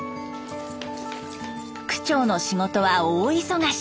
区長の仕事は大忙し。